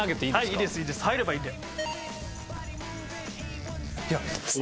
いいですいいです入ればいいんで。